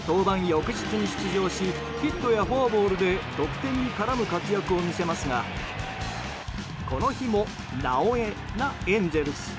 翌日に出場しヒットやフォアボールで得点に絡む活躍を見せますがこの日も「なおエ」なエンゼルス。